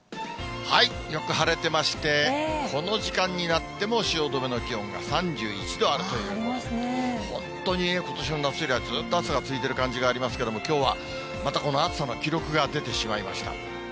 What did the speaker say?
よく晴れてまして、この時間になっても汐留の気温が３１度あるということで、本当にことしの夏以来、ずっと暑さが続いてる感じがありますけれども、きょうは、またこの暑さの記録が出てしまいました。